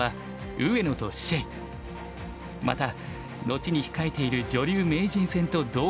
また後に控えている女流名人戦と同